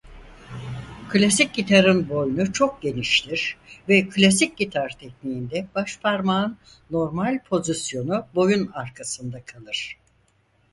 Klasik gitarın boynu çok geniştir ve klasik gitar tekniğinde başparmağın normal pozisyonu boyun arkasında kalır.